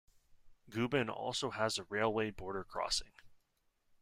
Gubin also has a railway border crossing.